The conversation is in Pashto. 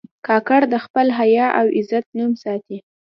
کاکړ د خپل حیا او غیرت نوم ساتي.